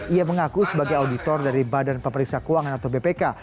ia mengaku sebagai auditor dari badan pemeriksa keuangan atau bpk